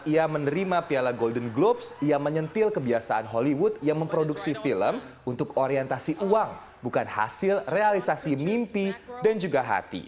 ia menerima piala golden globes yang menyentil kebiasaan hollywood yang memproduksi film untuk orientasi uang bukan hasil realisasi mimpi dan juga hati